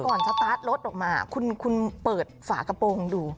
สตาร์ทรถออกมาคุณเปิดฝากระโปรงดู